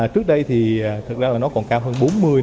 trước đây thì thật ra là nó còn cao hơn bốn mươi năm mươi